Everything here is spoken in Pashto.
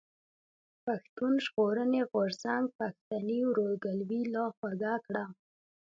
پښتون ژغورني غورځنګ پښتني ورورګلوي لا خوږه کړه.